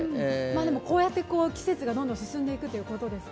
こうやって季節がどんどん進んでいくという感じですね。